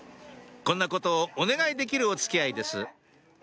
こんなことをお願いできるお付き合いです